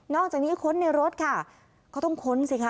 อกจากนี้ค้นในรถค่ะก็ต้องค้นสิคะ